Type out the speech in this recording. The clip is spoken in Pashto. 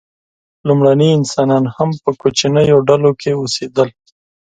لومړني انسانان هم په کوچنیو ډلو کې اوسېدل.